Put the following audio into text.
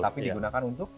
tapi digunakan untuk